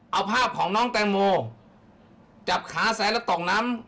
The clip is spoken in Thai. เอาภาพของน้องแตงโมจับขาแซนแล้วต่องน้ำ